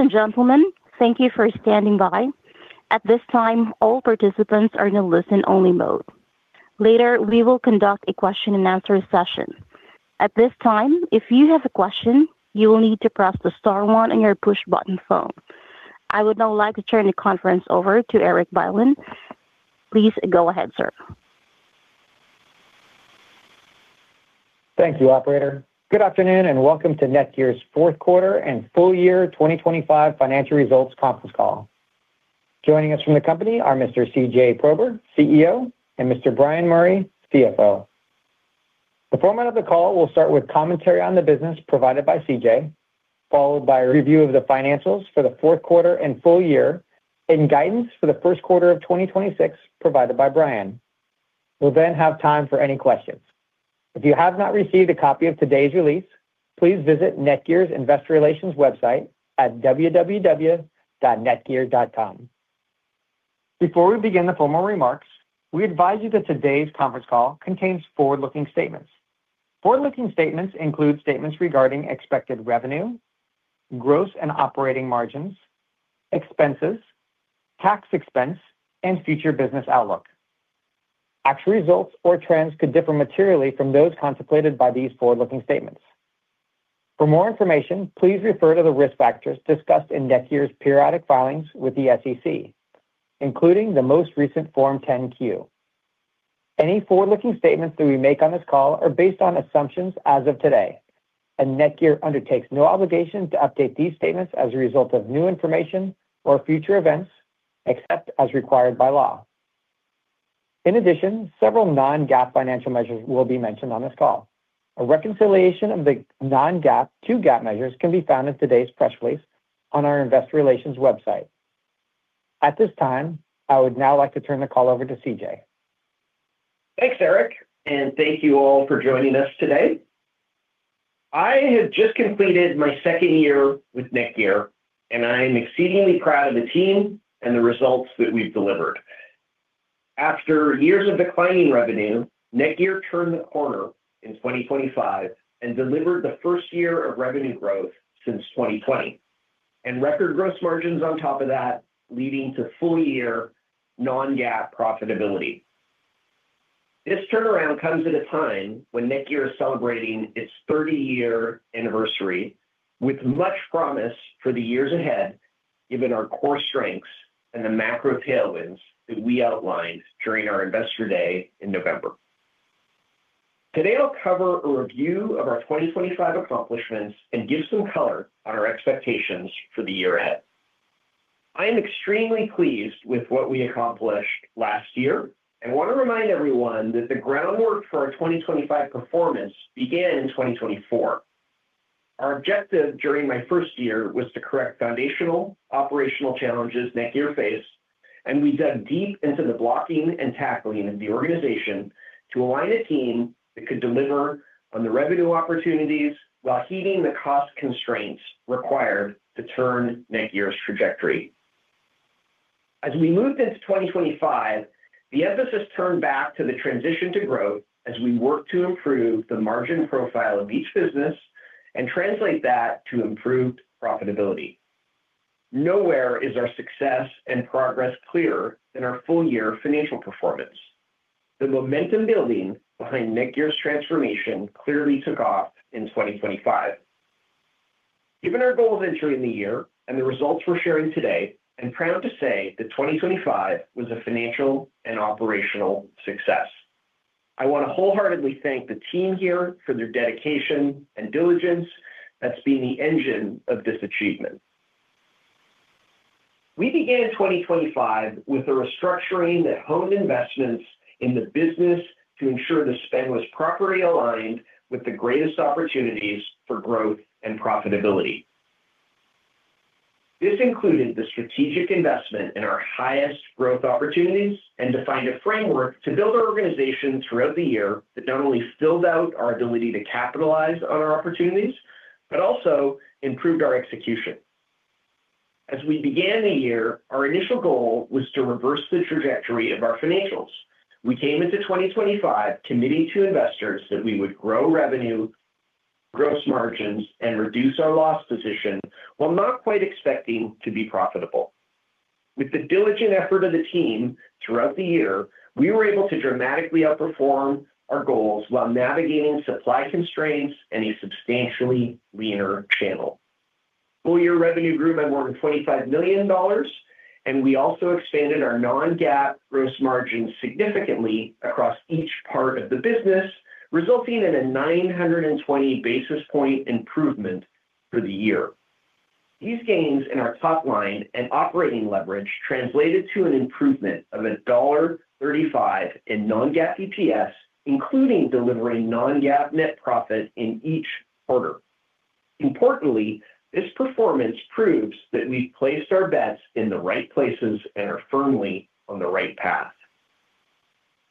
Ladies and gentlemen, thank you for standing by. At this time, all participants are in a listen-only mode. Later, we will conduct a question and answer session. At this time, if you have a question, you will need to press the star one on your push-button phone. I would now like to turn the conference over to Erik Bylin. Please go ahead, sir. Thank you, operator. Good afternoon, and welcome to NETGEAR's fourth quarter and full year 2025 financial results conference call. Joining us from the company are Mr. C.J. Prober, CEO, and Mr. Bryan Murray, CFO. The format of the call will start with commentary on the business provided by C.J., followed by a review of the financials for the fourth quarter and full year, and guidance for the first quarter of 2026, provided by Bryan. We'll then have time for any questions. If you have not received a copy of today's release, please visit NETGEAR's Investor Relations website at www.netgear.com. Before we begin the formal remarks, we advise you that today's conference call contains forward-looking statements. Forward-looking statements include statements regarding expected revenue, gross and operating margins, expenses, tax expense, and future business outlook. Actual results or trends could differ materially from those contemplated by these forward-looking statements. For more information, please refer to the risk factors discussed in NETGEAR's periodic filings with the SEC, including the most recent Form 10-Q. Any forward-looking statements that we make on this call are based on assumptions as of today, and NETGEAR undertakes no obligation to update these statements as a result of new information or future events, except as required by law. In addition, several non-GAAP financial measures will be mentioned on this call. A reconciliation of the non-GAAP to GAAP measures can be found in today's press release on our Investor Relations website. At this time, I would now like to turn the call over to C.J. Thanks, Erik, and thank you all for joining us today. I have just completed my second year with NETGEAR, and I am exceedingly proud of the team and the results that we've delivered. After years of declining revenue, NETGEAR turned the corner in 2025 and delivered the first year of revenue growth since 2020, and record gross margins on top of that, leading to full-year non-GAAP profitability. This turnaround comes at a time when NETGEAR is celebrating its 30-year anniversary with much promise for the years ahead, given our core strengths and the macro tailwinds that we outlined during our Investor Day in November. Today, I'll cover a review of our 2025 accomplishments and give some color on our expectations for the year ahead. I am extremely pleased with what we accomplished last year, and want to remind everyone that the groundwork for our 2025 performance began in 2024. Our objective during my first year was to correct foundational operational challenges NETGEAR faced, and we dug deep into the blocking and tackling of the organization to align a team that could deliver on the revenue opportunities while heeding the cost constraints required to turn NETGEAR's trajectory. As we moved into 2025, the emphasis turned back to the transition to growth as we worked to improve the margin profile of each business and translate that to improved profitability. Nowhere is our success and progress clearer than our full-year financial performance. The momentum building behind NETGEAR's transformation clearly took off in 2025. Given our goal of entering the year and the results we're sharing today, I'm proud to say that 2025 was a financial and operational success. I want to wholeheartedly thank the team here for their dedication and diligence that's been the engine of this achievement. We began 2025 with a restructuring that honed investments in the business to ensure the spend was properly aligned with the greatest opportunities for growth and profitability. This included the strategic investment in our highest growth opportunities, and defined a framework to build our organization throughout the year that not only filled out our ability to capitalize on our opportunities, but also improved our execution. As we began the year, our initial goal was to reverse the trajectory of our financials. We came into 2025 committing to investors that we would grow revenue, gross margins, and reduce our loss position, while not quite expecting to be profitable. With the diligent effort of the team throughout the year, we were able to dramatically outperform our goals while navigating supply constraints and a substantially leaner channel. Full year revenue grew by more than $25 million, and we also expanded our non-GAAP gross margin significantly across each part of the business, resulting in a 920 basis point improvement for the year. These gains in our top line and operating leverage translated to an improvement of $1.35 in non-GAAP EPS, including delivering non-GAAP net profit in each quarter. Importantly, this performance proves that we've placed our bets in the right places and are firmly on the right path.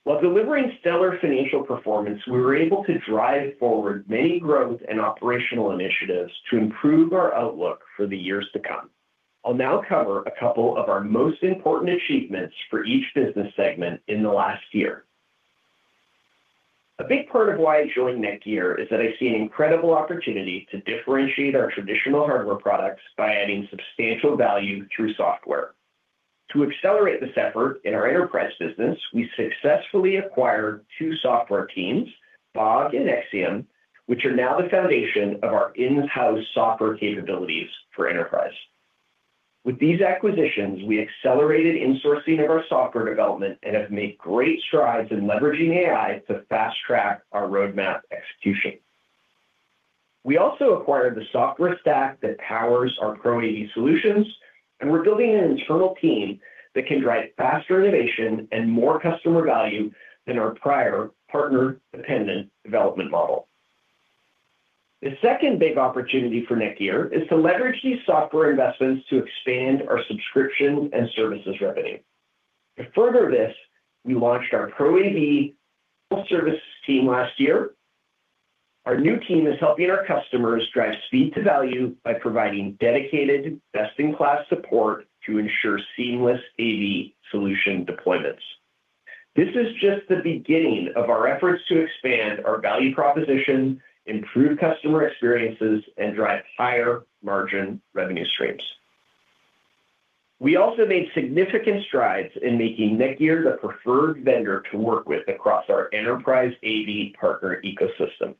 While delivering stellar financial performance, we were able to drive forward many growth and operational initiatives to improve our outlook for the years to come. I'll now cover a couple of our most important achievements for each business segment in the last year. A big part of why I joined NETGEAR is that I see an incredible opportunity to differentiate our traditional hardware products by adding substantial value through software. To accelerate this effort in our enterprise business, we successfully acquired two software teams, Bog and Axiom, which are now the foundation of our in-house software capabilities for enterprise. With these acquisitions, we accelerated insourcing of our software development and have made great strides in leveraging AI to fast-track our roadmap execution. We also acquired the software stack that powers our Pro AV solutions, and we're building an internal team that can drive faster innovation and more customer value than our prior partner-dependent development model. The second big opportunity for NETGEAR is to leverage these software investments to expand our subscription and services revenue. To further this, we launched our Pro AV full service team last year. Our new team is helping our customers drive speed to value by providing dedicated, best-in-class support to ensure seamless AV solution deployments. This is just the beginning of our efforts to expand our value proposition, improve customer experiences, and drive higher margin revenue streams. We also made significant strides in making NETGEAR the preferred vendor to work with across our enterprise AV partner ecosystem.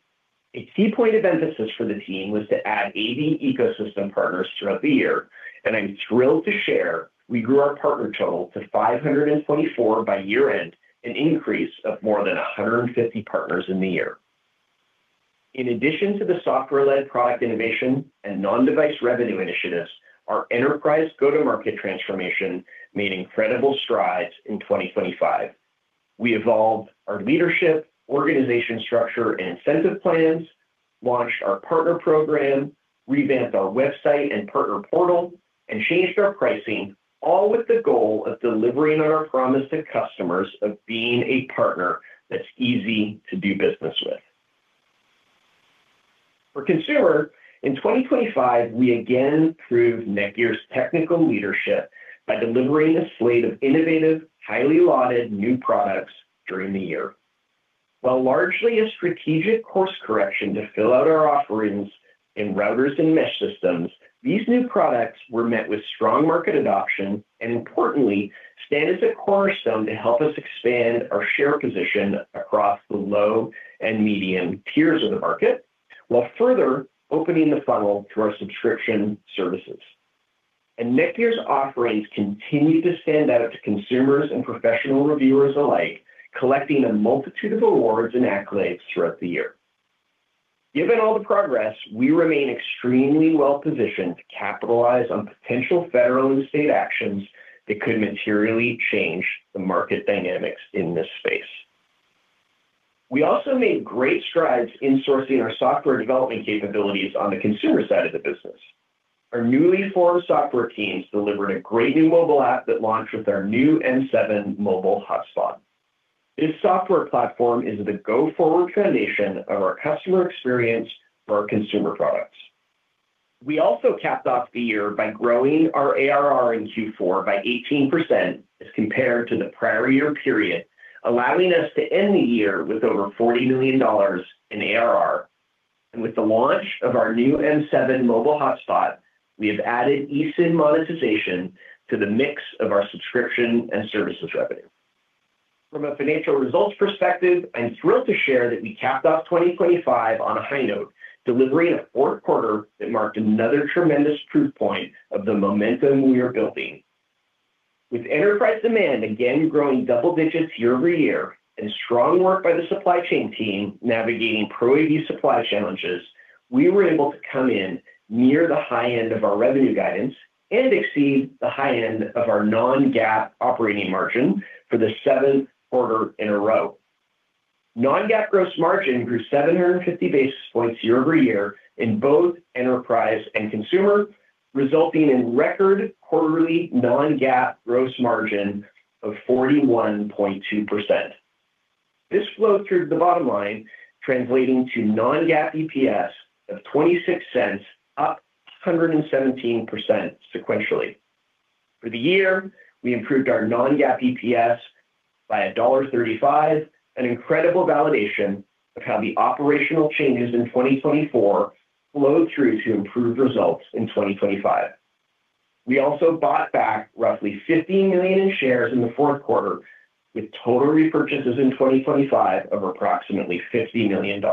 A key point of emphasis for the team was to add AV ecosystem partners throughout the year, and I'm thrilled to share we grew our partner total to 524 by year-end, an increase of more than 150 partners in the year. In addition to the software-led product innovation and non-device revenue initiatives, our enterprise go-to-market transformation made incredible strides in 2025. We evolved our leadership, organizational structure, and incentive plans, launched our partner program, revamped our website and partner portal, and changed our pricing, all with the goal of delivering on our promise to customers of being a partner that's easy to do business with. For consumer, in 2025, we again proved NETGEAR's technical leadership by delivering a slate of innovative, highly lauded new products during the year. While largely a strategic course correction to fill out our offerings in routers and mesh systems, these new products were met with strong market adoption and importantly, stand as a cornerstone to help us expand our share position across the low and medium tiers of the market, while further opening the funnel to our subscription services. NETGEAR's offerings continue to stand out to consumers and professional reviewers alike, collecting a multitude of awards and accolades throughout the year. Given all the progress, we remain extremely well positioned to capitalize on potential federal and state actions that could materially change the market dynamics in this space. We also made great strides in sourcing our software development capabilities on the consumer side of the business. Our newly formed software teams delivered a great new mobile app that launched with our new M7 mobile hotspot. This software platform is the go-forward foundation of our customer experience for our consumer products. We also capped off the year by growing our ARR in Q4 by 18% as compared to the prior year period, allowing us to end the year with over $40 million in ARR. With the launch of our new M7 mobile hotspot, we have added eSIM monetization to the mix of our subscription and services revenue. From a financial results perspective, I'm thrilled to share that we capped off 2025 on a high note, delivering a fourth quarter that marked another tremendous proof point of the momentum we are building. With enterprise demand again growing double digits year-over-year and strong work by the supply chain team navigating Pro AV supply challenges, we were able to come in near the high end of our revenue guidance and exceed the high end of our non-GAAP operating margin for the seventh quarter in a row. Non-GAAP gross margin grew 750 basis points year-over-year in both enterprise and consumer, resulting in record quarterly non-GAAP gross margin of 41.2%. This flowed through to the bottom line, translating to non-GAAP EPS of $0.26, up 117% sequentially. For the year, we improved our non-GAAP EPS by $1.35, an incredible validation of how the operational changes in 2024 flowed through to improved results in 2025. We also bought back roughly 15 million in shares in the fourth quarter, with total repurchases in 2025 of approximately $50 million.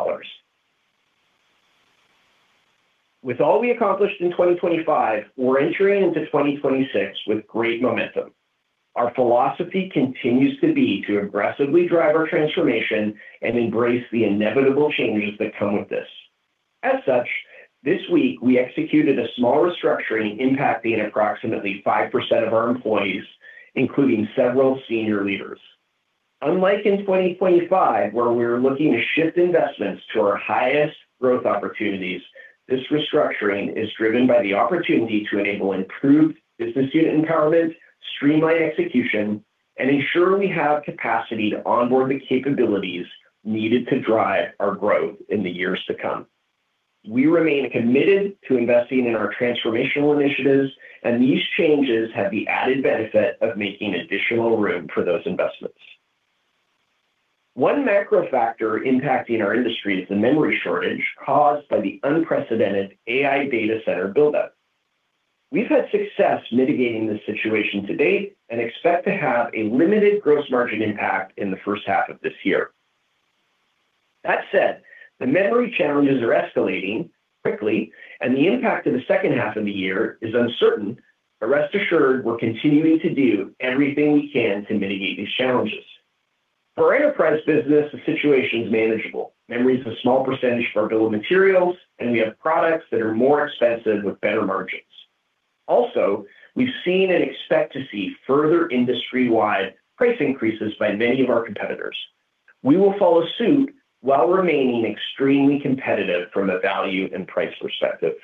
With all we accomplished in 2025, we're entering into 2026 with great momentum. Our philosophy continues to be to aggressively drive our transformation and embrace the inevitable changes that come with this. As such, this week we executed a small restructuring, impacting approximately 5% of our employees, including several senior leaders. Unlike in 2025, where we were looking to shift investments to our highest growth opportunities, this restructuring is driven by the opportunity to enable improved business unit empowerment, streamline execution, and ensure we have capacity to onboard the capabilities needed to drive our growth in the years to come. We remain committed to investing in our transformational initiatives, and these changes have the added benefit of making additional room for those investments. One macro factor impacting our industry is the memory shortage caused by the unprecedented AI data center build-up. We've had success mitigating this situation to date, and expect to have a limited gross margin impact in the first half of this year. That said, the memory challenges are escalating quickly, and the impact in the second half of the year is uncertain, but rest assured, we're continuing to do everything we can to mitigate these challenges. For enterprise business, the situation is manageable. Memory is a small percentage of our bill of materials, and we have products that are more expensive with better margins. Also, we've seen and expect to see further industry-wide price increases by many of our competitors. We will follow suit while remaining extremely competitive from a value and price perspective.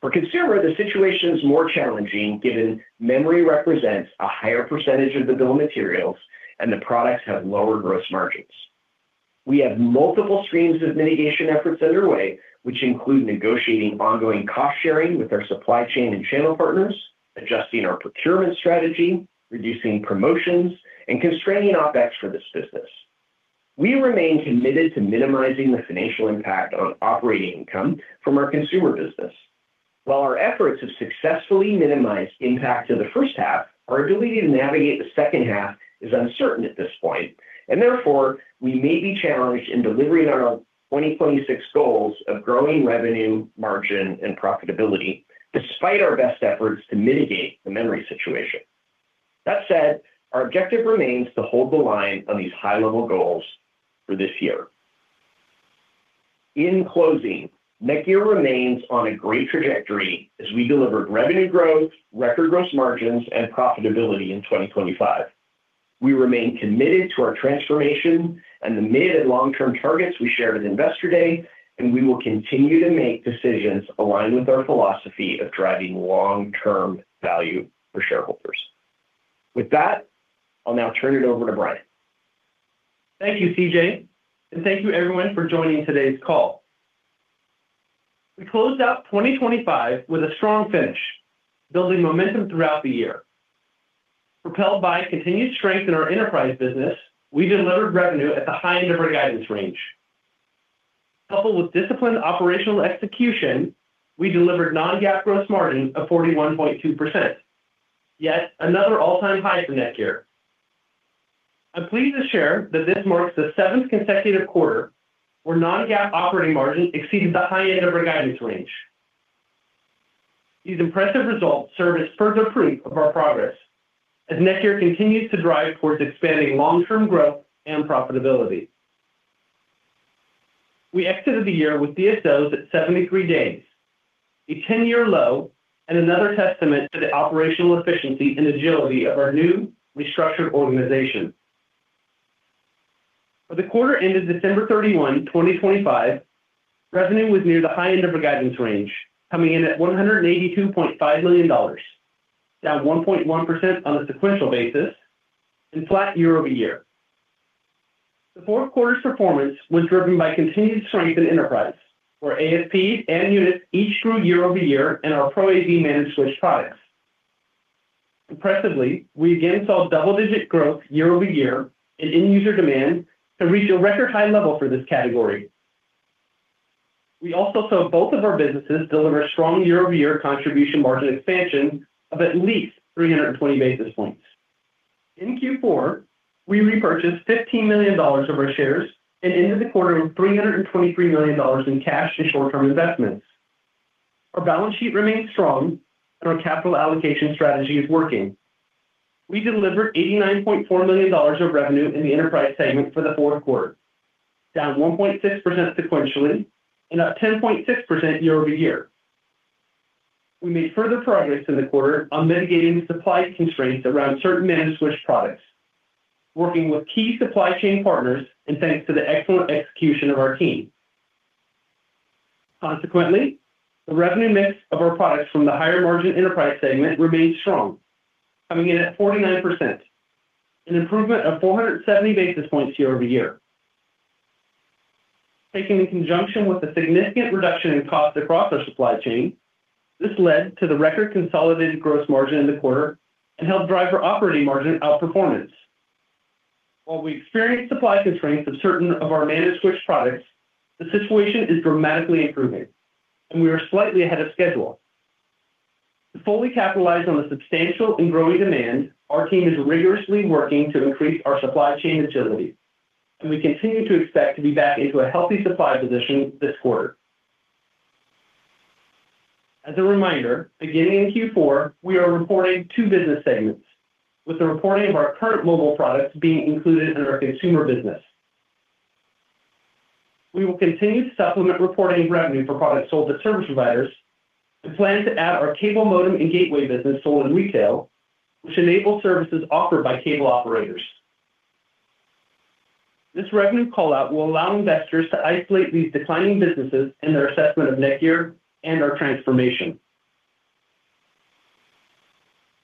For consumer, the situation is more challenging, given memory represents a higher percentage of the bill of materials and the products have lower gross margins. We have multiple streams of mitigation efforts underway, which include negotiating ongoing cost-sharing with our supply chain and channel partners, adjusting our procurement strategy, reducing promotions, and constraining OpEx for this business. We remain committed to minimizing the financial impact on operating income from our consumer business. While our efforts have successfully minimized impact to the first half, our ability to navigate the second half is uncertain at this point, and therefore, we may be challenged in delivering on our 2026 goals of growing revenue, margin, and profitability despite our best efforts to mitigate the memory situation. That said, our objective remains to hold the line on these high-level goals for this year. In closing, NETGEAR remains on a great trajectory as we delivered revenue growth, record gross margins, and profitability in 2025. We remain committed to our transformation and the mid and long-term targets we shared at Investor Day, and we will continue to make decisions aligned with our philosophy of driving long-term value for shareholders. With that, I'll now turn it over to Bryan. Thank you, C.J., and thank you everyone for joining today's call. We closed out 2025 with a strong finish, building momentum throughout the year. Propelled by continued strength in our enterprise business, we delivered revenue at the high end of our guidance range. Coupled with disciplined operational execution, we delivered non-GAAP gross margin of 41.2%, yet another all-time high for NETGEAR. I'm pleased to share that this marks the seventh consecutive quarter where non-GAAP operating margin exceeds the high end of our guidance range. These impressive results serve as further proof of our progress as NETGEAR continues to drive towards expanding long-term growth and profitability. We exited the year with DSOs at 73 days, a 10-year low, and another testament to the operational efficiency and agility of our new restructured organization. For the quarter ended December 31, 2025, revenue was near the high end of our guidance range, coming in at $182.5 million, down 1.1% on a sequential basis and flat year over year. The fourth quarter's performance was driven by continued strength in enterprise, where ASP and units each grew year over year in our Pro AV managed switch products. Impressively, we again saw double-digit growth year over year in end user demand to reach a record high level for this category. We also saw both of our businesses deliver strong year-over-year contribution margin expansion of at least 320 basis points. In Q4, we repurchased $15 million of our shares and ended the quarter with $323 million in cash and short-term investments. Our balance sheet remains strong, and our capital allocation strategy is working. We delivered $89.4 million of revenue in the enterprise segment for the fourth quarter, down 1.6% sequentially and up 10.6% year-over-year. We made further progress in the quarter on mitigating the supply constraints around certain managed switch products, working with key supply chain partners and thanks to the excellent execution of our team. Consequently, the revenue mix of our products from the higher margin enterprise segment remained strong, coming in at 49%, an improvement of 470 basis points year-over-year. Taken in conjunction with a significant reduction in cost across our supply chain, this led to the record consolidated gross margin in the quarter and helped drive our operating margin outperformance. While we experienced supply constraints of certain of our managed switch products, the situation is dramatically improving, and we are slightly ahead of schedule. To fully capitalize on the substantial and growing demand, our team is rigorously working to increase our supply chain agility, and we continue to expect to be back into a healthy supply position this quarter. As a reminder, beginning in Q4, we are reporting two business segments, with the reporting of our current mobile products being included in our consumer business. We will continue to supplement reporting revenue for products sold to service providers and plan to add our cable modem and gateway business sold in retail, which enable services offered by cable operators. This revenue call-out will allow investors to isolate these declining businesses in their assessment of NETGEAR and our transformation.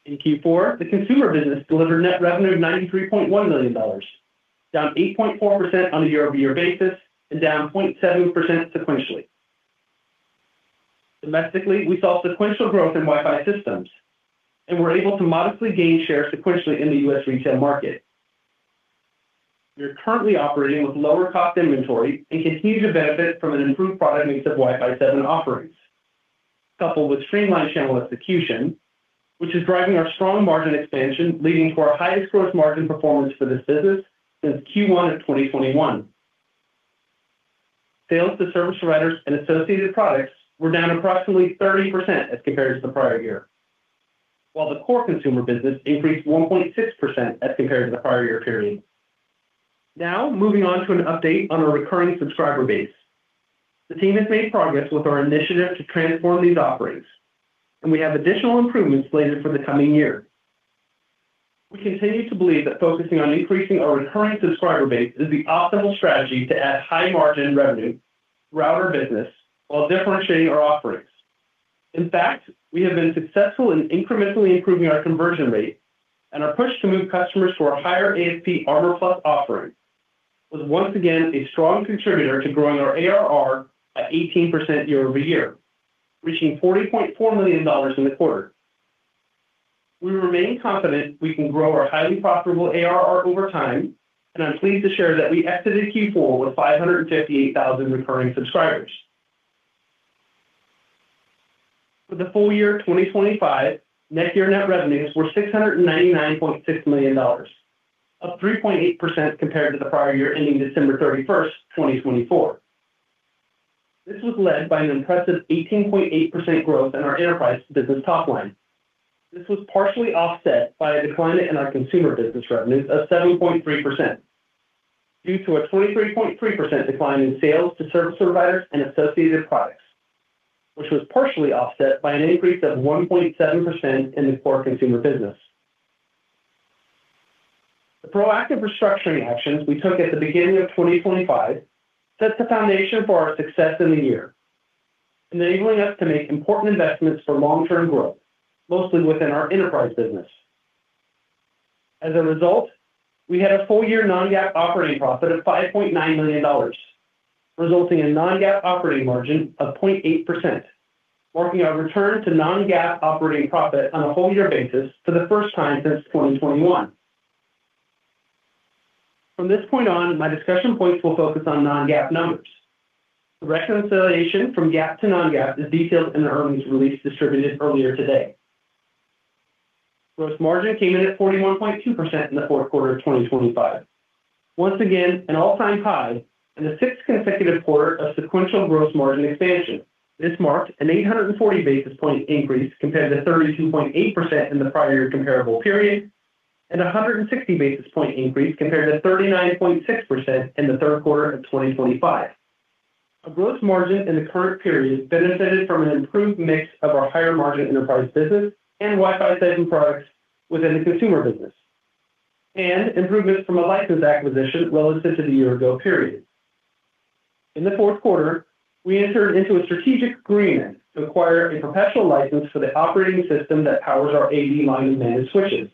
In Q4, the consumer business delivered net revenue of $93.1 million, down 8.4% on a year-over-year basis and down 0.7% sequentially. Domestically, we saw sequential growth in Wi-Fi systems, and we're able to modestly gain share sequentially in the U.S. retail market. We are currently operating with lower cost inventory and continue to benefit from an improved product mix of Wi-Fi 7 offerings, coupled with streamlined channel execution, which is driving our strong margin expansion, leading to our highest gross margin performance for this business since Q1 of 2021. Sales to service providers and associated products were down approximately 30% as compared to the prior year, while the core consumer business increased 1.6% as compared to the prior year period. Now, moving on to an update on our recurring subscriber base. The team has made progress with our initiative to transform these offerings, and we have additional improvements slated for the coming year. We continue to believe that focusing on increasing our recurring subscriber base is the optimal strategy to add high margin revenue throughout our business while differentiating our offerings. In fact, we have been successful in incrementally improving our conversion rate and our push to move customers to our higher ASP Armor Plus offering was once again a strong contributor to growing our ARR at 18% year-over-year, reaching $40.4 million in the quarter. We remain confident we can grow our highly profitable ARR over time, and I'm pleased to share that we exited Q4 with 558,000 recurring subscribers. For the full year 2025, NETGEAR net revenues were $699.6 million, up 3.8% compared to the prior year ending December 31st, 2024. This was led by an impressive 18.8% growth in our enterprise business top line. This was partially offset by a decline in our consumer business revenues of 7.3%, due to a 23.3% decline in sales to service providers and associated products, which was partially offset by an increase of 1.7% in the core consumer business. The proactive restructuring actions we took at the beginning of 2025 set the foundation for our success in the year, enabling us to make important investments for long-term growth, mostly within our enterprise business. As a result, we had a full year non-GAAP operating profit of $5.9 million, resulting in non-GAAP operating margin of 0.8%, marking our return to non-GAAP operating profit on a whole year basis for the first time since 2021. From this point on, my discussion points will focus on non-GAAP numbers. The reconciliation from GAAP to non-GAAP is detailed in the earnings release distributed earlier today. Gross margin came in at 41.2% in the fourth quarter of 2025. Once again, an all-time high and a sixth consecutive quarter of sequential gross margin expansion. This marked an 840 basis point increase compared to 32.8% in the prior year comparable period, and a 160 basis point increase compared to 39.6% in the third quarter of 2025. Our gross margin in the current period benefited from an improved mix of our higher margin enterprise business and Wi-Fi 7 products within the consumer business, and improvements from a license acquisition relative to the year ago period. In the fourth quarter, we entered into a strategic agreement to acquire a perpetual license for the operating system that powers our AV line of managed switches.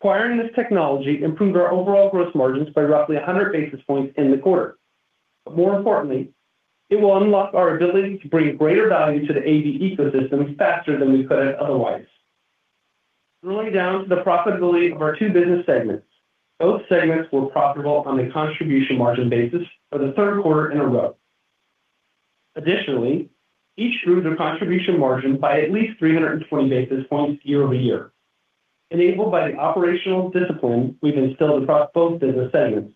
Acquiring this technology improved our overall gross margins by roughly 100 basis points in the quarter. But more importantly, it will unlock our ability to bring greater value to the AV ecosystems faster than we could have otherwise. Drilling down to the profitability of our two business segments. Both segments were profitable on a contribution margin basis for the third quarter in a row. Additionally, each improved their contribution margin by at least 320 basis points year-over-year, enabled by the operational discipline we've instilled across both business segments.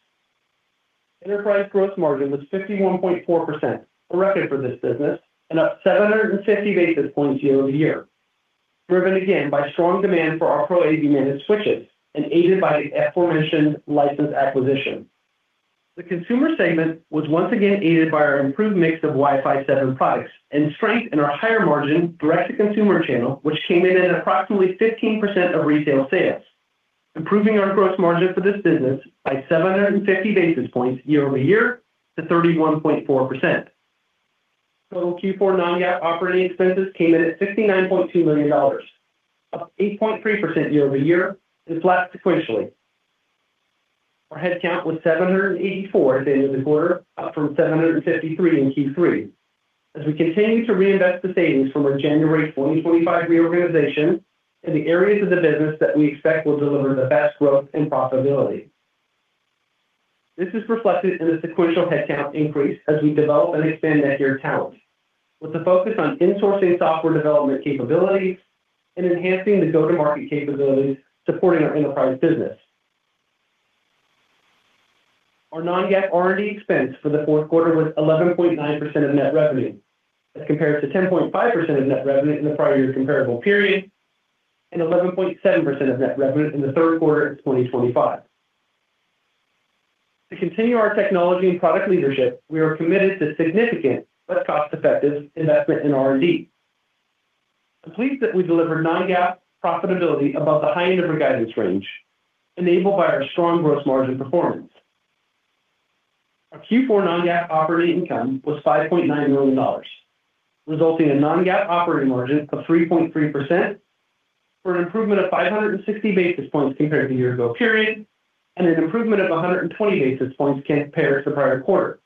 Enterprise gross margin was 51.4%, a record for this business, and up 750 basis points year-over-year, driven again by strong demand for our Pro AV managed switches and aided by the aforementioned license acquisition. The consumer segment was once again aided by our improved mix of Wi-Fi 7 products and strength in our higher margin direct-to-consumer channel, which came in at approximately 15% of retail sales, improving our gross margin for this business by 750 basis points year-over-year to 31.4%. Total Q4 non-GAAP operating expenses came in at $69.2 million, up 8.3% year-over-year, and flat sequentially. Our headcount was 784 at the end of the quarter, up from 753 in Q3, as we continue to reinvest the savings from our January 2025 reorganization in the areas of the business that we expect will deliver the best growth and profitability. This is reflected in the sequential headcount increase as we develop and expand NETGEAR talent, with a focus on insourcing software development capabilities and enhancing the go-to-market capabilities supporting our enterprise business. Our non-GAAP R&D expense for the fourth quarter was 11.9% of net revenue, as compared to 10.5% of net revenue in the prior year comparable period, and 11.7% of net revenue in the third quarter of 2025. To continue our technology and product leadership, we are committed to significant but cost-effective investment in R&D. I'm pleased that we delivered non-GAAP profitability above the high end of our guidance range, enabled by our strong gross margin performance. Our Q4 non-GAAP operating income was $5.9 million, resulting in non-GAAP operating margin of 3.3%, for an improvement of 560 basis points compared to year ago period, and an improvement of 120 basis points compared to the prior quarter.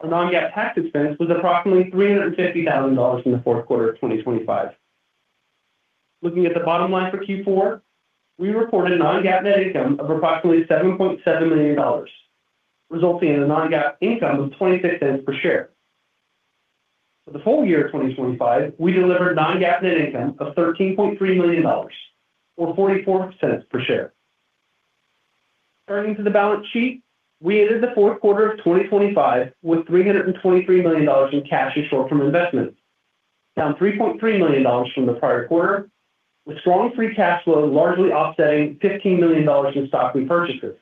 Our non-GAAP tax expense was approximately $350,000 in the fourth quarter of 2025. Looking at the bottom line for Q4, we reported a non-GAAP net income of approximately $7.7 million, resulting in a non-GAAP income of $0.26 per share. For the full year of 2025, we delivered non-GAAP net income of $13.3 million or $0.44 per share. Turning to the balance sheet, we ended the fourth quarter of 2025 with $323 million in cash or short-term investments, down $3.3 million from the prior quarter, with strong free cash flow largely offsetting $15 million in stock repurchases.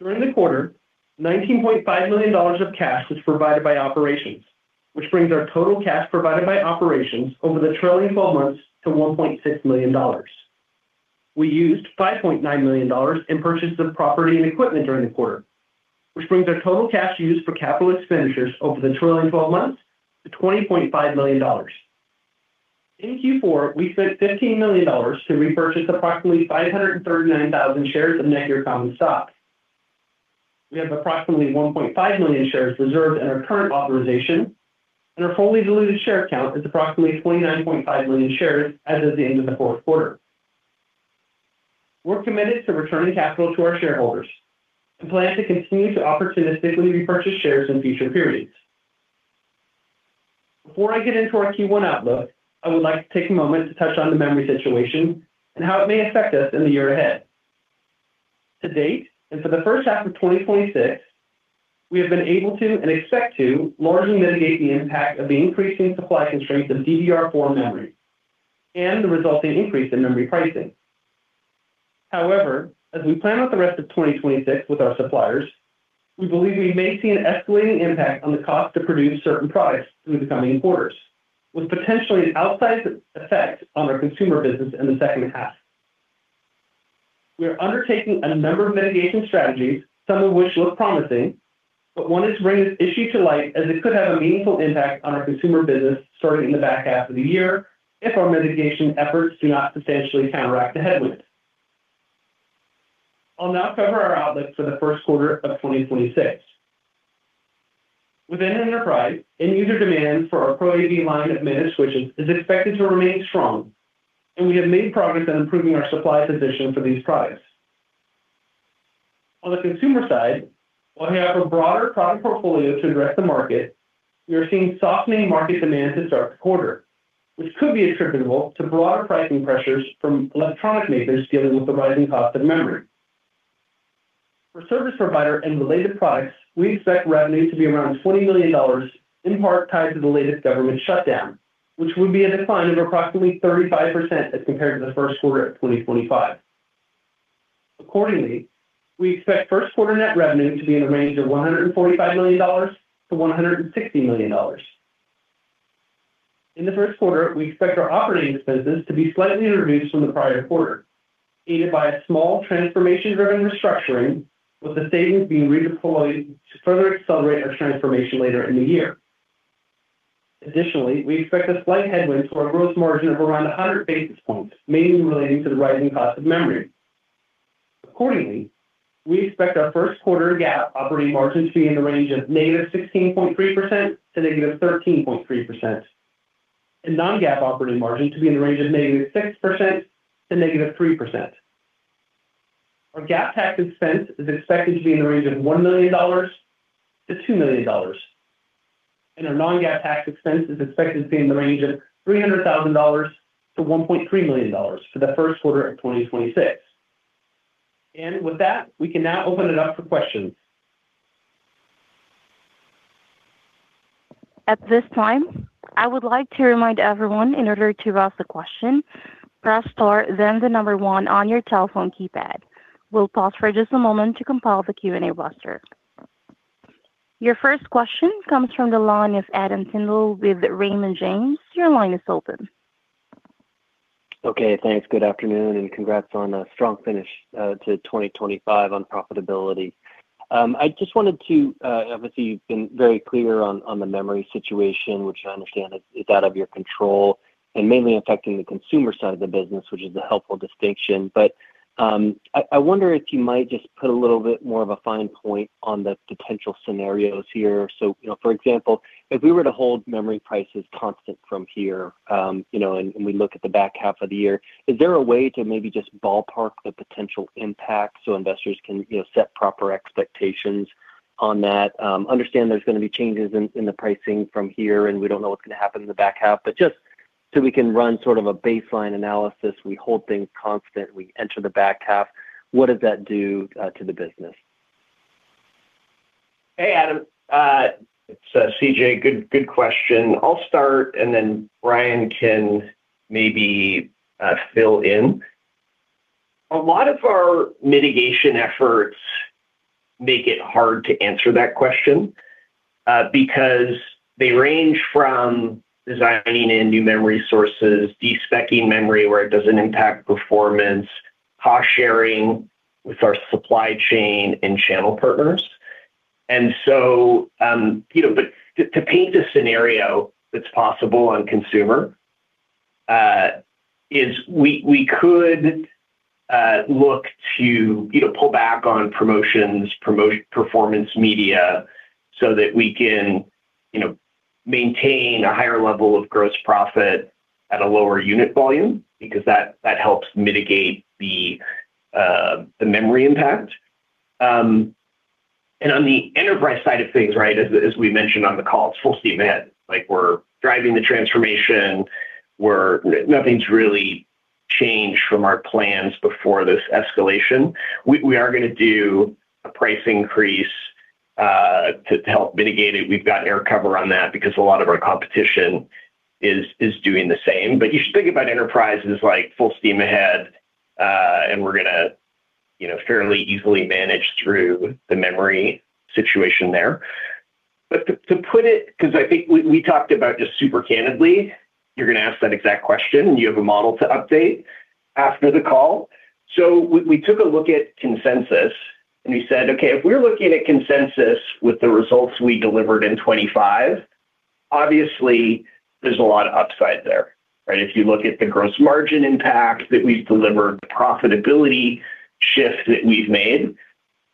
During the quarter, $19.5 million of cash was provided by operations, which brings our total cash provided by operations over the trailing 12 months to $1.6 million. We used $5.9 million in purchase of property and equipment during the quarter, which brings our total cash used for capital expenditures over the trailing 12 months to $20.5 million. In Q4, we spent $15 million to repurchase approximately 539,000 shares of NETGEAR common stock. We have approximately 1.5 million shares reserved in our current authorization, and our fully diluted share count is approximately 29.5 million shares as of the end of the fourth quarter. We're committed to returning capital to our shareholders and plan to continue to opportunistically repurchase shares in future periods. Before I get into our Q1 outlook, I would like to take a moment to touch on the memory situation and how it may affect us in the year ahead. To date, and for the first half of 2026, we have been able to, and expect to, largely mitigate the impact of the increasing supply constraints of DDR4 memory and the resulting increase in memory pricing. However, as we plan out the rest of 2026 with our suppliers, we believe we may see an escalating impact on the cost to produce certain products through the coming quarters, with potentially an outsized effect on our consumer business in the second half. We are undertaking a number of mitigation strategies, some of which look promising, but wanted to bring this issue to light as it could have a meaningful impact on our consumer business starting in the back half of the year if our mitigation efforts do not substantially counteract the headwind. I'll now cover our outlook for the first quarter of 2026. Within enterprise, end user demand for our Pro AV line of managed switches is expected to remain strong, and we have made progress on improving our supply position for these products. On the consumer side, while we have a broader product portfolio to address the market, we are seeing softening market demand to start the quarter, which could be attributable to broader pricing pressures from electronic makers dealing with the rising cost of memory. For service provider and related products, we expect revenue to be around $20 million, in part tied to the latest government shutdown, which would be a decline of approximately 35% as compared to the first quarter of 2025. Accordingly, we expect first quarter net revenue to be in the range of $145 million-$160 million. In the first quarter, we expect our operating expenses to be slightly reduced from the prior quarter, aided by a small transformation-driven restructuring, with the savings being redeployed to further accelerate our transformation later in the year. Additionally, we expect a slight headwind to our gross margin of around 100 basis points, mainly relating to the rising cost of memory. Accordingly, we expect our first quarter GAAP operating margin to be in the range of -16.3% to -13.3%, and non-GAAP operating margin to be in the range of -6% to -3%. Our GAAP tax expense is expected to be in the range of $1 million-$2 million, and our non-GAAP tax expense is expected to be in the range of $300,000-$1.3 million for the first quarter of 2026. With that, we can now open it up for questions. At this time, I would like to remind everyone, in order to ask a question, press star then the number one on your telephone keypad. We'll pause for just a moment to compile the Q&A roster. Your first question comes from the line of Adam Tindle with Raymond James. Your line is open. Okay, thanks. Good afternoon, and congrats on a strong finish to 2025 on profitability. I just wanted to obviously, you've been very clear on the memory situation, which I understand is out of your control and mainly affecting the consumer side of the business, which is a helpful distinction. But I wonder if you might just put a little bit more of a fine point on the potential scenarios here. So, you know, for example, if we were to hold memory prices constant from here, you know, and we look at the back half of the year, is there a way to maybe just ballpark the potential impact so investors can, you know, set proper expectations on that? Understand there's going to be changes in the pricing from here, and we don't know what's going to happen in the back half. But just so we can run sort of a baseline analysis, we hold things constant, we enter the back half, what does that do to the business? Hey, Adam, it's C.J. Good, good question. I'll start, and then Bryan can maybe, fill in. A lot of our mitigation efforts make it hard to answer that question. Because they range from designing in new memory sources, despecing memory where it doesn't impact performance, cost sharing with our supply chain and channel partners. So, you know, but to paint a scenario that's possible on consumer, is we could look to, you know, pull back on promotions, promote performance media so that we can, you know, maintain a higher level of gross profit at a lower unit volume, because that helps mitigate the memory impact. And on the enterprise side of things, right, as we mentioned on the call, it's full steam ahead. Like, we're driving the transformation. Nothing's really changed from our plans before this escalation. We are gonna do a price increase to help mitigate it. We've got air cover on that because a lot of our competition is doing the same. But you should think about enterprises like full steam ahead, and we're gonna, you know, fairly easily manage through the memory situation there. But to put it, because I think we talked about just super candidly, you're gonna ask that exact question, and you have a model to update after the call. So we took a look at consensus, and we said, okay, if we're looking at consensus with the results we delivered in 2025, obviously there's a lot of upside there, right? If you look at the gross margin impact that we've delivered, the profitability shift that we've made,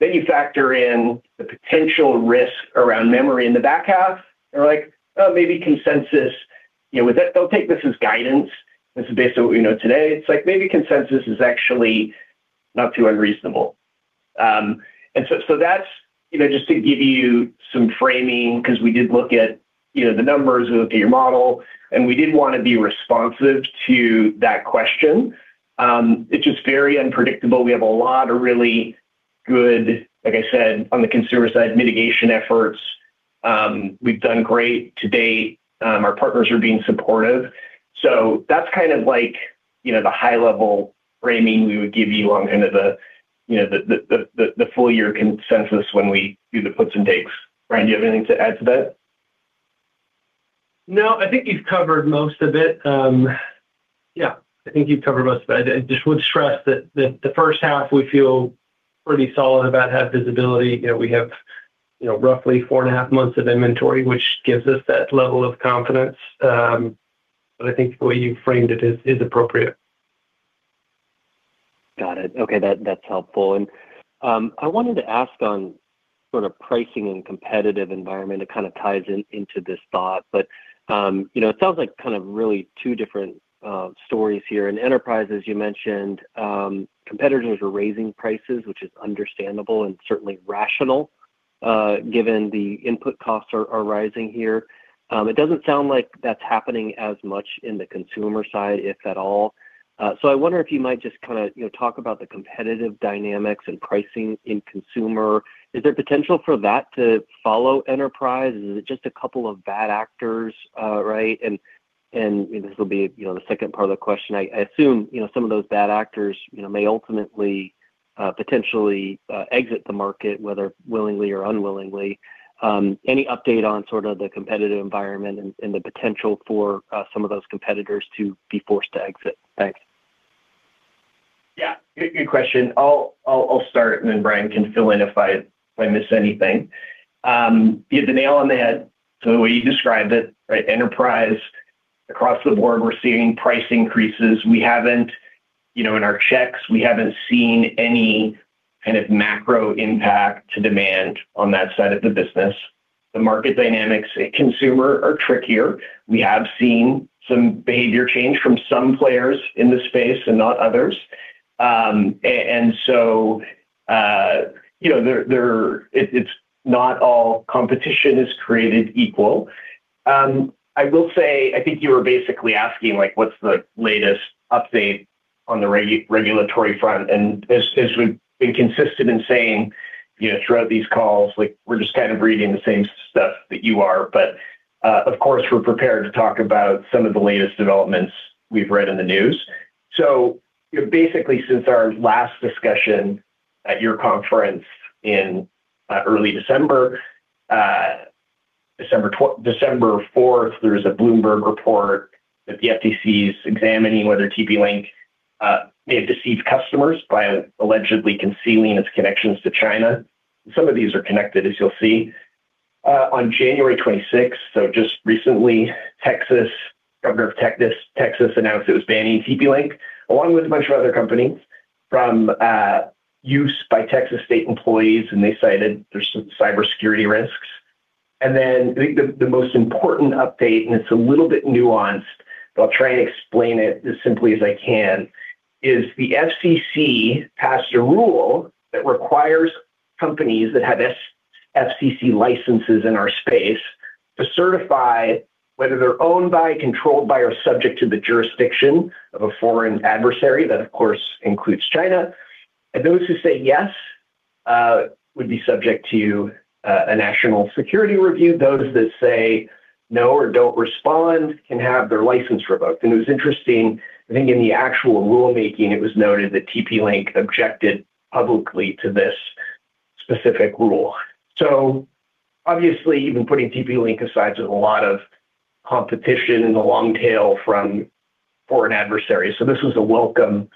then you factor in the potential risk around memory in the back half, and we're like, maybe consensus, you know, with that, don't take this as guidance. This is based on what we know today. It's like, maybe consensus is actually not too unreasonable. And so, so that's, you know, just to give you some framing, 'cause we did look at, you know, the numbers, we looked at your model, and we did want to be responsive to that question. It's just very unpredictable. We have a lot of really good, like I said, on the consumer side, mitigation efforts. We've done great to date. Our partners are being supportive. So that's kind of like, you know, the high-level framing we would give you on kind of the, you know, the full year consensus when we do the puts and takes. Bryan, do you have anything to add to that? No, I think you've covered most of it. Yeah, I think you've covered most of it. I just would stress that the first half, we feel pretty solid about have visibility. You know, we have, you know, roughly 4.5 months of inventory, which gives us that level of confidence. But I think the way you framed it is appropriate. Got it. Okay, that, that's helpful. And, I wanted to ask on sort of pricing and competitive environment. It kind of ties in, into this thought, but, you know, it sounds like kind of really two different stories here. In enterprise, as you mentioned, competitors are raising prices, which is understandable and certainly rational, given the input costs are rising here. It doesn't sound like that's happening as much in the consumer side, if at all. So I wonder if you might just kinda, you know, talk about the competitive dynamics and pricing in consumer. Is there potential for that to follow enterprise? Is it just a couple of bad actors, right? And this will be, you know, the second part of the question. I assume, you know, some of those bad actors, you know, may ultimately potentially exit the market, whether willingly or unwillingly. Any update on sort of the competitive environment and the potential for some of those competitors to be forced to exit? Thanks. Yeah, good, good question. I'll start, and then Bryan can fill in if I miss anything. You hit the nail on the head to the way you described it, right? Enterprise, across the board, we're seeing price increases. We haven't, you know, in our checks, we haven't seen any kind of macro impact to demand on that side of the business. The market dynamics in consumer are trickier. We have seen some behavior change from some players in the space and not others. And so, you know, there, it's not all competition is created equal. I will say, I think you were basically asking, like, what's the latest update on the regulatory front? And as we've been consistent in saying, you know, throughout these calls, like, we're just kind of reading the same stuff that you are. But, of course, we're prepared to talk about some of the latest developments we've read in the news. So, you know, basically, since our last discussion at your conference in early December, December 4th, there was a Bloomberg report that the FTC is examining whether TP-Link may have deceived customers by allegedly concealing its connections to China. Some of these are connected, as you'll see. On January twenty-sixth, so just recently, Texas, governor of Texas, Texas announced it was banning TP-Link, along with a bunch of other companies, from use by Texas State employees, and they cited there's some cybersecurity risks. Then the most important update, and it's a little bit nuanced, but I'll try and explain it as simply as I can, is the FCC passed a rule that requires companies that have FCC licenses in our space to certify whether they're owned by, controlled by, or subject to the jurisdiction of a foreign adversary, that, of course, includes China. And those who say yes would be subject to a national security review. Those that say no, or don't respond, can have their license revoked. And it was interesting, I think in the actual rulemaking, it was noted that TP-Link objected publicly to this specific rule. So obviously, even putting TP-Link aside, there's a lot of competition in the long tail from foreign adversaries. So this was a welcome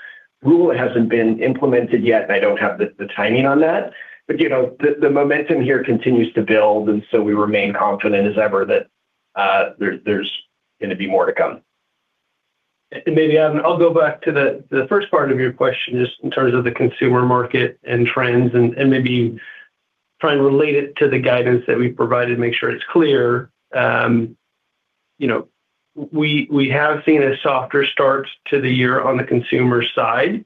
rule. It hasn't been implemented yet, and I don't have the timing on that. You know, the momentum here continues to build, and so we remain confident as ever that there's gonna be more to come. Maybe, Adam, I'll go back to the first part of your question, just in terms of the consumer market and trends, and maybe try and relate it to the guidance that we provided, make sure it's clear. You know, we have seen a softer start to the year on the consumer side.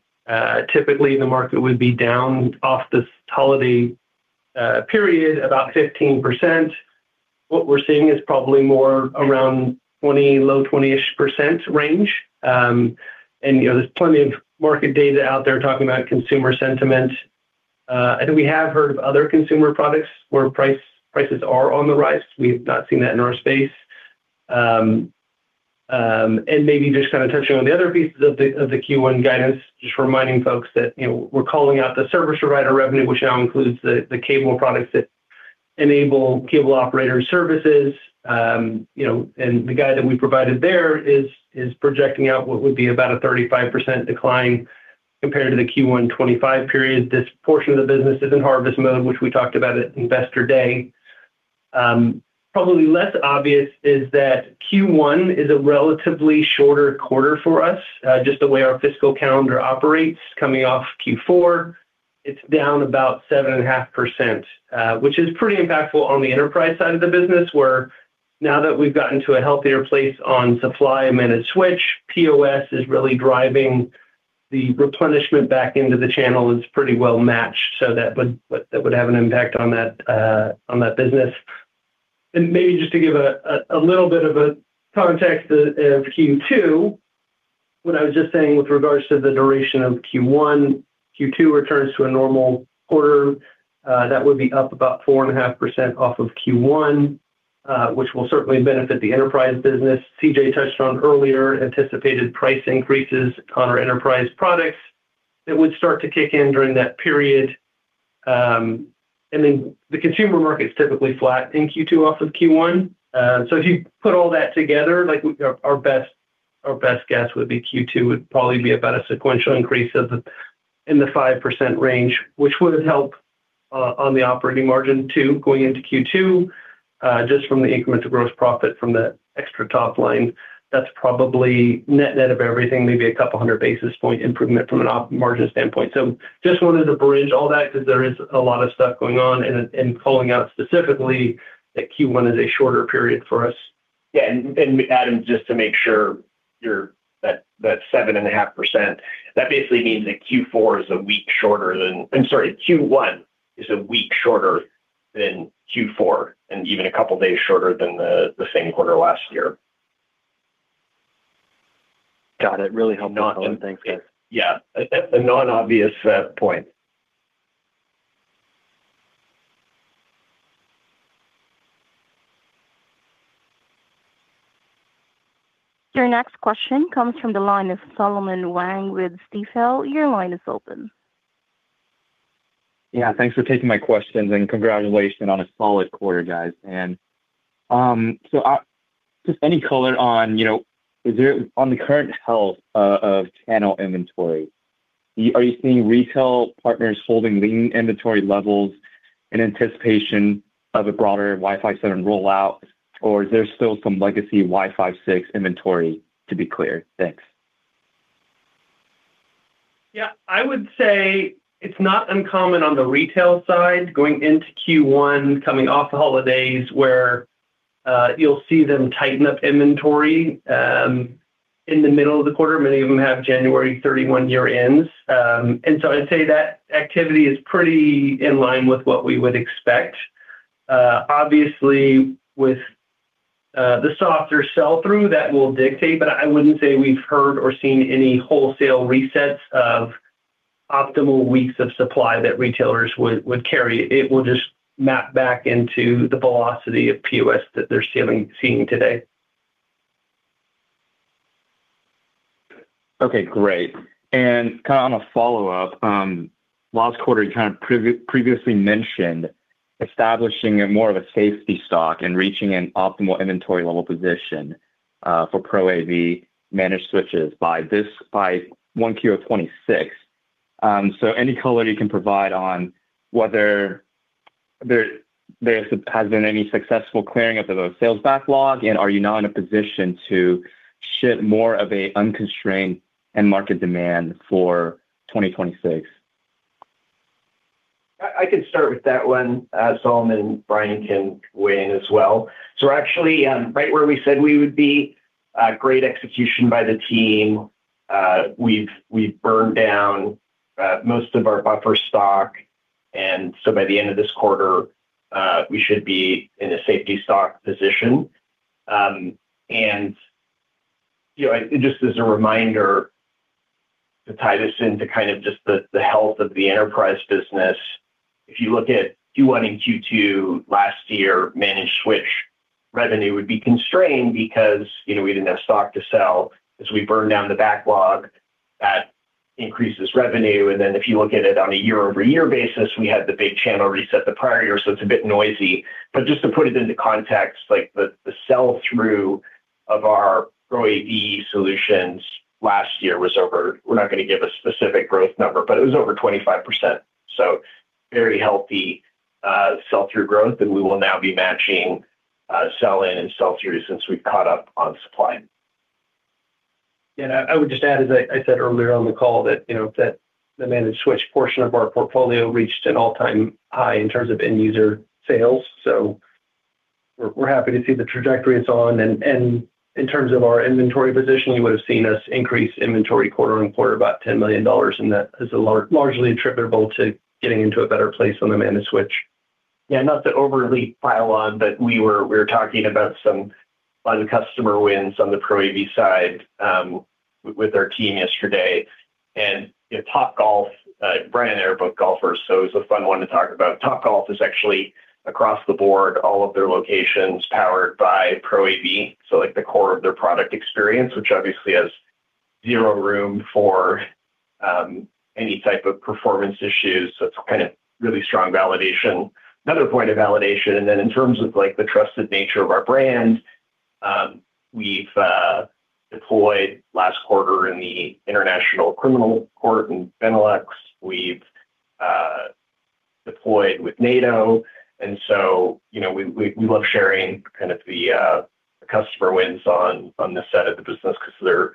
Typically, the market would be down off this holiday period, about 15%. What we're seeing is probably more around 20, low 20-ish percent range. And, you know, there's plenty of market data out there talking about consumer sentiment. And we have heard of other consumer products where prices are on the rise. We've not seen that in our space. And maybe just kinda touching on the other pieces of the Q1 guidance, just reminding folks that, you know, we're calling out the service provider revenue, which now includes the cable products that enable cable operator services. You know, and the guide that we provided there is projecting out what would be about a 35% decline compared to the Q1 2025 period. This portion of the business is in harvest mode, which we talked about at Investor Day. Probably less obvious is that Q1 is a relatively shorter quarter for us, just the way our fiscal calendar operates, coming off Q4, it's down about 7.5%, which is pretty impactful on the enterprise side of the business, where now that we've gotten to a healthier place on supply and managed switch, POS is really driving the replenishment back into the channel is pretty well matched, so that would, that would have an impact on that business. Maybe just to give a little bit of context of Q2, what I was just saying with regards to the duration of Q1, Q2 returns to a normal quarter, that would be up about 4.5% off of Q1, which will certainly benefit the enterprise business. C.J. touched on earlier, anticipated price increases on our enterprise products that would start to kick in during that period. And then the consumer market is typically flat in Q2 off of Q1. So if you put all that together, like, our best guess would be Q2 would probably be about a sequential increase in the 5% range, which would help on the operating margin too, going into Q2, just from the incremental gross profit from that extra top line. That's probably net-net of everything, maybe a couple of hundred basis points improvement from an op margin standpoint. So just wanted to bridge all that because there is a lot of stuff going on and calling out specifically that Q1 is a shorter period for us. Yeah, and Adam, just to make sure you're... That 7.5% basically means that Q4 is a week shorter than- I'm sorry, Q1 is a week shorter than Q4, and even a couple of days shorter than the same quarter last year. Got it. Really helpful. Thanks, guys. Yeah, a non-obvious point. Your next question comes from the line of Solomon Wang with Stifel. Your line is open. Yeah, thanks for taking my questions, and congratulations on a solid quarter, guys. So, just any color on, you know, is there on the current health of channel inventory, are you seeing retail partners holding lean inventory levels in anticipation of a broader Wi-Fi 7 rollout, or is there still some legacy Wi-Fi 6 inventory to be cleared? Thanks. Yeah, I would say it's not uncommon on the retail side, going into Q1, coming off the holidays, where you'll see them tighten up inventory in the middle of the quarter. Many of them have January 31 year ends. And so I'd say that activity is pretty in line with what we would expect. Obviously, with the softer sell-through, that will dictate, but I wouldn't say we've heard or seen any wholesale resets of optimal weeks of supply that retailers would, would carry. It will just map back into the velocity of POS that they're seeing, seeing today. Okay, great. And kinda on a follow-up, last quarter, you kind of previously mentioned establishing a more of a safety stock and reaching an optimal inventory level position for Pro AV managed switches by 1Q of 2026. So any color you can provide on whether there has been any successful clearing up of the sales backlog, and are you now in a position to ship more of a unconstrained end-market demand for 2026? I could start with that one, Solomon. Bryan can weigh in as well. So we're actually right where we said we would be. Great execution by the team. We've burned down most of our buffer stock, and so by the end of this quarter, we should be in a safety stock position. And, you know, just as a reminder, to tie this into kind of just the health of the enterprise business, if you look at Q1 and Q2 last year, Managed Switch revenue would be constrained because, you know, we didn't have stock to sell. As we burn down the backlog, that increases revenue. And then if you look at it on a year-over-year basis, we had the big channel reset the prior year, so it's a bit noisy. But just to put it into context, like the sell-through of our Pro AV solutions last year was over... We're not going to give a specific growth number, but it was over 25%. So very healthy sell-through growth, and we will now be matching sell-in and sell-through since we've caught up on supply. Yeah, I would just add, as I said earlier on the call, that, you know, that the managed switch portion of our portfolio reached an all-time high in terms of end user sales. So we're happy to see the trajectory it's on. And in terms of our inventory position, you would have seen us increase inventory quarter-over-quarter, about $10 million, and that is largely attributable to getting into a better place on the managed switch. Yeah, not to overly pile on, but we were talking about some customer wins on the Pro AV side with our team yesterday. You know, Topgolf, Bryan and I are both golfers, so it's a fun one to talk about. Topgolf is actually across the board, all of their locations, powered by Pro AV, so like, the core of their product experience, which obviously has zero room for any type of performance issues. So it's kind of really strong validation. Another point of validation, and then in terms of like, the trusted nature of our brand, we've deployed last quarter in the International Criminal Court in Benelux. We've deployed with NATO, and so, you know, we love sharing kind of the customer wins on this side of the business because they're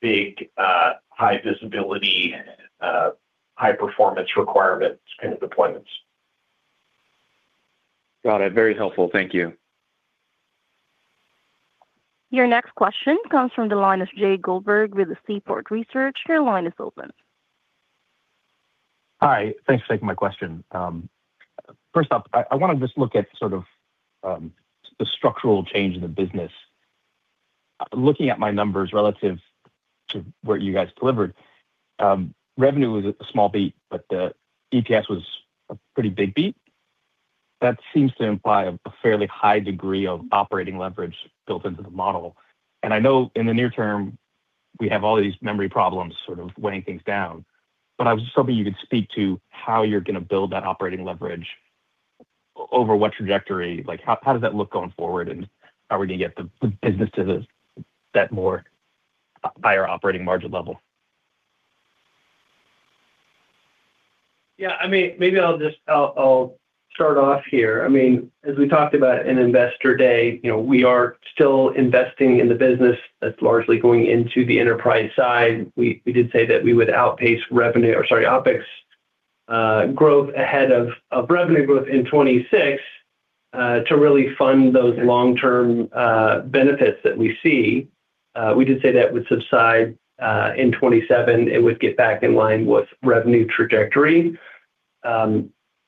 big, high visibility, high-performance requirement kind of deployments. Got it. Very helpful. Thank you. Your next question comes from the line of Jay Goldberg with the Seaport Research. Your line is open. Hi, thanks for taking my question. First off, I wanna just look at sort of, the structural change in the business. Looking at my numbers relative to what you guys delivered, revenue was a small beat, but the EPS was a pretty big beat. That seems to imply a fairly high degree of operating leverage built into the model. I know in the near term, we have all these memory problems sort of weighing things down, but I was just hoping you could speak to how you're gonna build that operating leverage, over what trajectory? Like, how, how does that look going forward, and how are we gonna get the, the business to the, that more higher operating margin level? Yeah, I mean, maybe I'll just start off here. I mean, as we talked about in Investor Day, you know, we are still investing in the business that's largely going into the enterprise side. We did say that we would outpace revenue, or sorry, OpEx, growth ahead of revenue growth in 2026 to really fund those long-term benefits that we see. We did say that would subside in 2027. It would get back in line with revenue trajectory.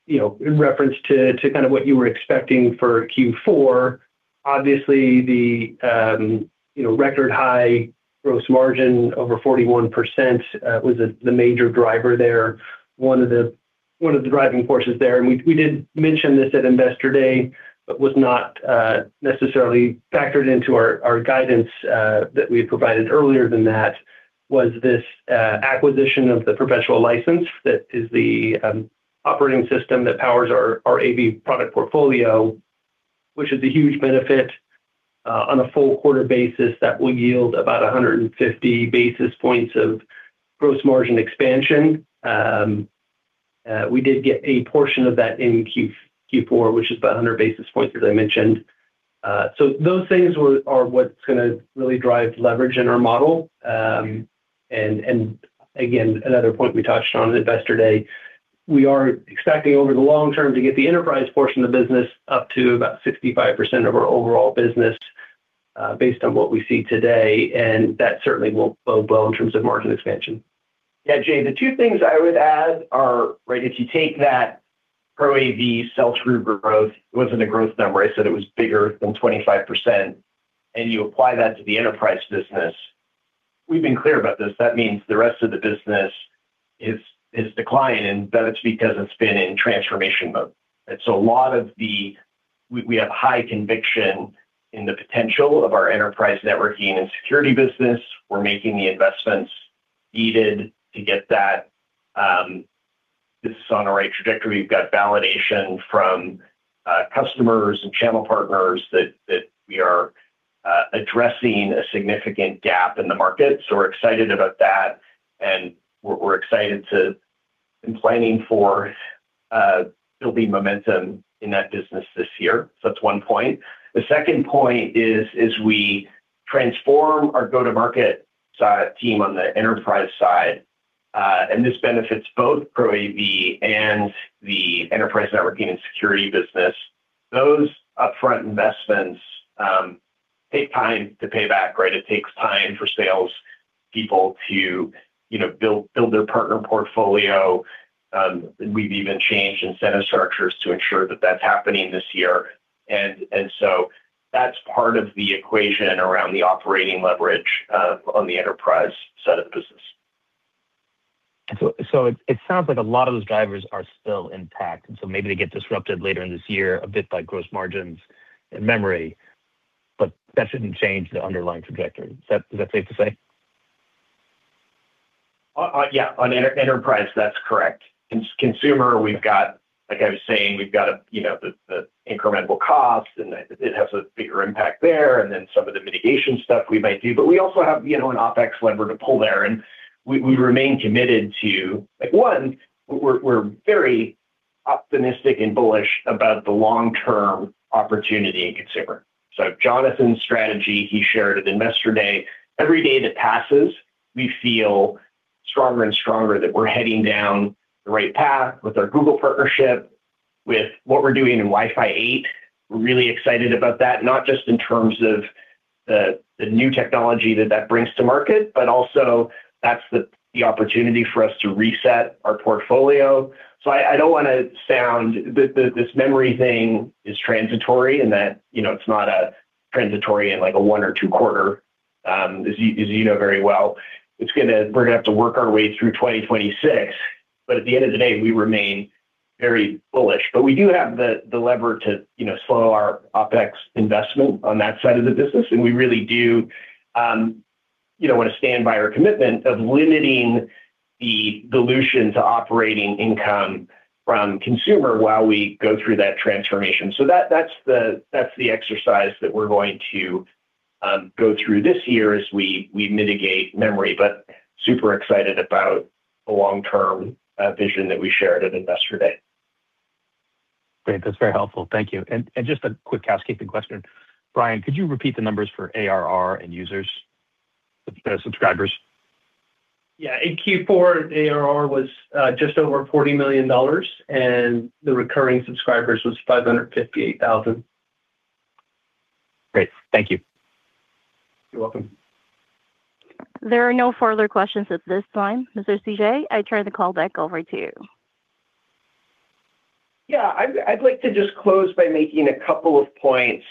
You know, in reference to kind of what you were expecting for Q4, obviously, the you know, record-high gross margin, over 41%, was the major driver there, one of the driving forces there. And we did mention this at Investor Day, but was not necessarily factored into our guidance that we had provided earlier than that, was this acquisition of the professional license. That is the operating system that powers our AV product portfolio, which is a huge benefit on a full quarter basis that will yield about 150 basis points of gross margin expansion. We did get a portion of that in Q4, which is about 100 basis points, as I mentioned. So those things are what's gonna really drive leverage in our model. And again, another point we touched on at Investor Day, we are expecting over the long term to get the enterprise portion of the business up to about 65% of our overall business, based on what we see today, and that certainly will bode well in terms of margin expansion. Yeah, Jay, the two things I would add are, right, if you take that Pro AV sell-through growth, it wasn't a growth number, I said it was bigger than 25%, and you apply that to the enterprise business. We've been clear about this. That means the rest of the business is declining, but it's because it's been in transformation mode. And so a lot of the we have high conviction in the potential of our enterprise networking and security business. We're making the investments needed to get that, this is on the right trajectory. We've got validation from customers and channel partners that we are addressing a significant gap in the market. So we're excited about that, and we're excited to and planning for there'll be momentum in that business this year. So that's one point. The second point is, as we transform our go-to-market side team on the enterprise side, and this benefits both Pro AV and the enterprise networking and security business, those upfront investments take time to pay back, right? It takes time for sales people to, you know, build their partner portfolio, we've even changed incentive structures to ensure that that's happening this year. And so that's part of the equation around the operating leverage on the enterprise side of the business. So, so it sounds like a lot of those drivers are still intact, and so maybe they get disrupted later in this year, a bit by gross margins and memory, but that shouldn't change the underlying trajectory. Is that, is that safe to say? Yeah, on enterprise, that's correct. Consumer, we've got, like I was saying, we've got a, you know, the, the incremental cost, and it has a bigger impact there, and then some of the mitigation stuff we might do. But we also have, you know, an OpEx lever to pull there, and we, we remain committed to, like, one, we're, we're very optimistic and bullish about the long-term opportunity in consumer. So Jonathan's strategy, he shared at Investor Day, every day that passes, we feel stronger and stronger that we're heading down the right path with our Google partnership, with what we're doing in Wi-Fi 8. We're really excited about that, not just in terms of the, the new technology that that brings to market, but also that's the, the opportunity for us to reset our portfolio. This memory thing is transitory, and that, you know, it's not a transitory in, like, a one or two quarter, as you know very well. We're gonna have to work our way through 2026, but at the end of the day, we remain very bullish. But we do have the lever to, you know, slow our OpEx investment on that side of the business, and we really do, you know, want to stand by our commitment of limiting the dilution to operating income from consumer while we go through that transformation. So that's the exercise that we're going to go through this year as we mitigate memory, but super excited about the long-term vision that we shared at Investor Day. Great. That's very helpful. Thank you. Just a quick housekeeping question. Bryan, could you repeat the numbers for ARR and users, subscribers? Yeah. In Q4, ARR was just over $40 million, and the recurring subscribers was 558,000. Great. Thank you. You're welcome. There are no further questions at this time. Mr. C.J., I turn the call back over to you. Yeah, I'd like to just close by making a couple of points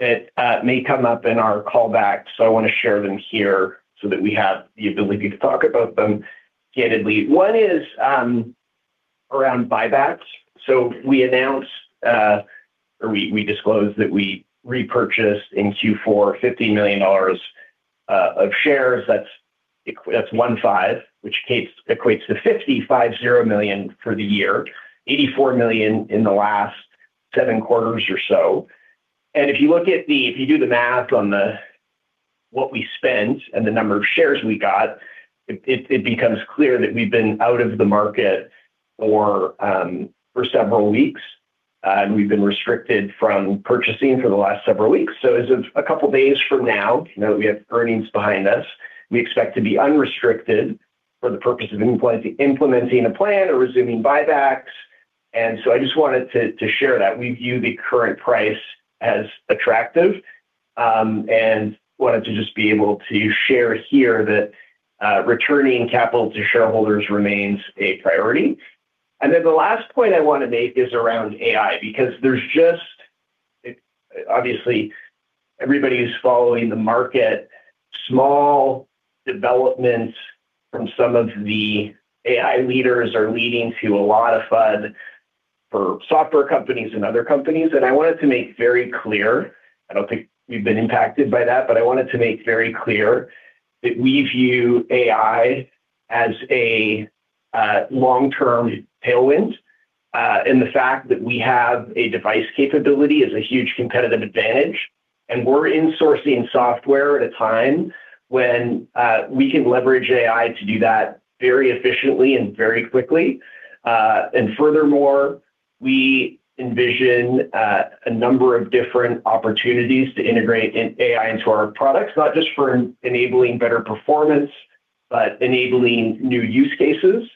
that may come up in our call back. So I want to share them here so that we have the ability to talk about them candidly. One is around buybacks. So we announced or we disclosed that we repurchased in Q4, $50 million of shares. That's 15, which equates to $550 million for the year, $84 million in the last seven quarters or so. And if you look at the-- if you do the math on the what we spent and the number of shares we got, it becomes clear that we've been out of the market for several weeks and we've been restricted from purchasing for the last several weeks. So as of a couple of days from now, you know, we have earnings behind us. We expect to be unrestricted for the purpose of implementing a plan or resuming buybacks. And so I just wanted to share that. We view the current price as attractive, and wanted to just be able to share here that returning capital to shareholders remains a priority. And then the last point I want to make is around AI, because there's just... Obviously, everybody is following the market. Small developments from some of the AI leaders are leading to a lot of FUD for software companies and other companies. I wanted to make very clear, I don't think we've been impacted by that, but I wanted to make very clear that we view AI as a long-term tailwind, and the fact that we have a device capability is a huge competitive advantage, and we're insourcing software at a time when we can leverage AI to do that very efficiently and very quickly. And furthermore, we envision a number of different opportunities to integrate an AI into our products, not just for enabling better performance, but enabling new use cases.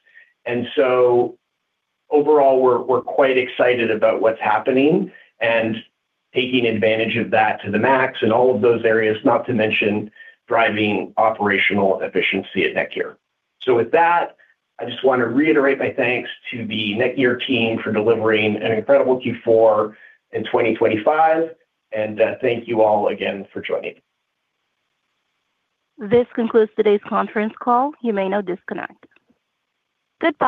And so overall, we're quite excited about what's happening and taking advantage of that to the max in all of those areas, not to mention driving operational efficiency at NETGEAR. So with that, I just want to reiterate my thanks to the NETGEAR team for delivering an incredible Q4 and 2025, and thank you all again for joining. This concludes today's conference call. You may now disconnect. Goodbye.